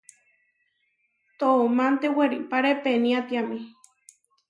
Toománte weripáre peniátiame.